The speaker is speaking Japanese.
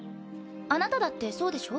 あなただってそうでしょ？